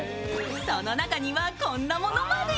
その中には、こんなものまで。